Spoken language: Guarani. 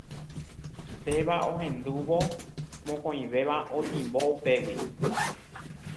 Péva ohendúvo mokõivéva otimbo upégui.